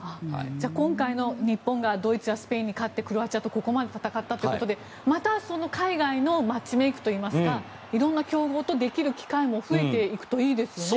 今回の日本がドイツやスペインに勝ってクロアチアとここまで戦ったということでまた、その海外のマッチメイクといいますか色んな強豪とできる機会も増えていくといいですよね。